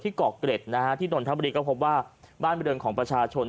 ที่กอกเกร็ดฮะที่ดนตร์ธรรมดิสัตว์เพราะว่าบ้านประเดินของประชาชน